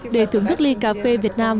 để thưởng thức ly cà phê việt nam